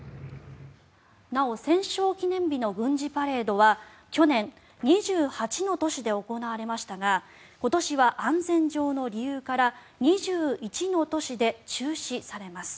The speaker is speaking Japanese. なお戦勝記念日の軍事パレードは去年、２８の都市で行われましたが今年は安全上の理由から２１の都市で中止されます。